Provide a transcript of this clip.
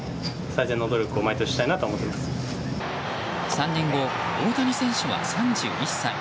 ３年後、大谷選手は３１歳。